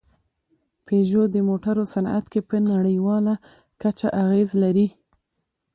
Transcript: پيژو د موټرو صنعت کې په نړۍواله کچه اغېز لري.